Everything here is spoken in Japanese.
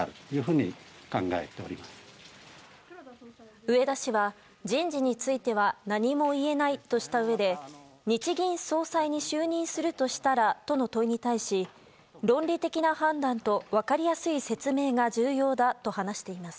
植田氏は、人事については何も言えないとしたうえで日銀総裁に就任するとしたらとの問いに対し論理的な判断と分かりやすい説明が重要だと話しています。